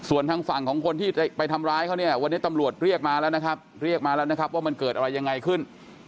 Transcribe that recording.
วันนี้ตำรวจเรียกมาแล้วนะครับว่ามันเกิดอะไรยังไงขึ้น